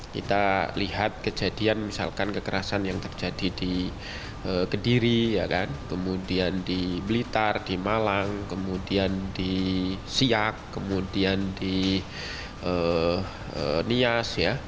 kita lihat kejadian misalkan kekerasan yang terjadi di kediri kemudian di blitar di malang kemudian di siak kemudian di nias ya